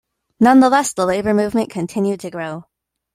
Nonetheless, the labor movement continued to grow.